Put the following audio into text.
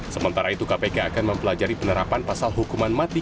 sementara itu kpk akan mempelajari penerapan pasal hukuman mati